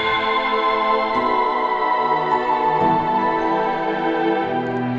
saya sudah selalu ingin mencoba